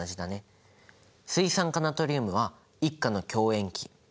水酸化ナトリウムは１価の強塩基。